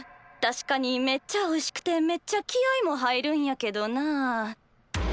確かにめっちゃおいしくてめっちゃ気合いも入るんやけどな。